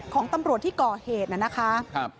ของตำรวจที่ก่อเหตุน่ะนะคะ